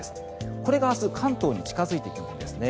これが明日、関東に近付いてくるんですね。